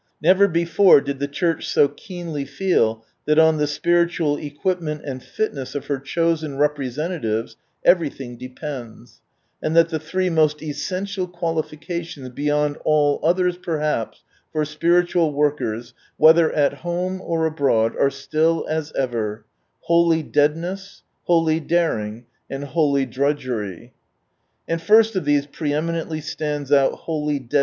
Never before did the Church so keenly feci that on the spiritual equipment and fitness of her chosen representatives everything depends ; and that the three most essential qualifications, beyond all others perhaps, for spiritual workers whether at home or abroad are still as ever — holy deadncss, holy ' holy drudgery. —holy dcadness, holy daring and Andlfirst of these preeminently stands and service.